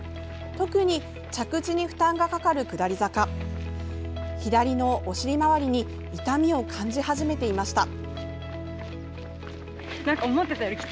特に着地に負担がかかる下り坂左のお尻周りに痛みを感じ始めていました。